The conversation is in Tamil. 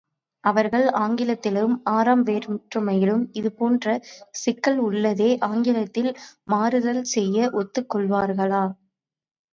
அவர்கள், ஆங்கிலத்திலும் ஆறாம் வேற்றுமையில் இது போன்ற சிக்கல் உள்ளதே ஆங்கிலத்தில் மாறுதல் செய்ய ஒத்துக்கொள்வார்களா?